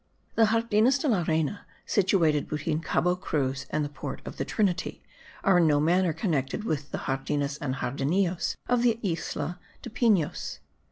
The Jardines de la Reyna, situated between Cabo Cruz and the port of the Trinity, are in no manner connected with the Jardines and Jardinillos of the Isla de Pinos.